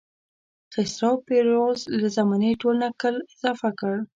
خسرو پرویز له زمانې ټول نکل اضافه کړ.